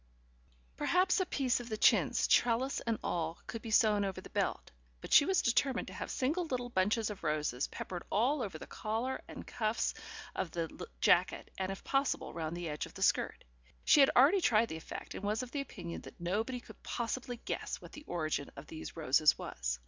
Perhaps a piece of the chintz, trellis and all, could be sewn over the belt, but she was determined to have single little bunches of roses peppered all over the collar and cuffs of the jacket, and, if possible, round the edge of the skirt. She had already tried the effect, and was of the opinion that nobody could possibly guess what the origin of these roses was.